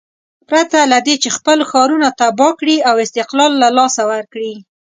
پرته له دې چې خپل ښارونه تباه کړي او استقلال له لاسه ورکړي.